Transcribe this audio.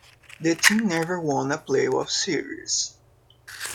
The team never won a playoff series.